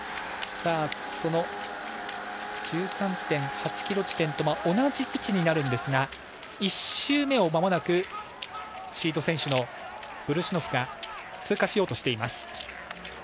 その１３．８ｋｍ地点と同じ位置になるんですが１周目をまもなくシード選手のブルシュノフが通過します。